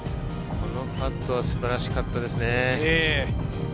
このパットは素晴らしかったですね。